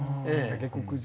下克上。